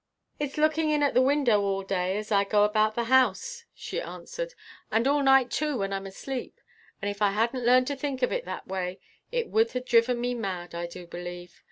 "It's looking in at the window all day as I go about the house," she answered, "and all night too when I'm asleep; and if I hadn't learned to think of it that way, it would have driven me mad, I du believe.